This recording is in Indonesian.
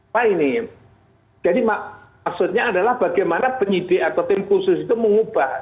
pak ini jadi maksudnya adalah bagaimana penyidik atau tim khusus itu mengubah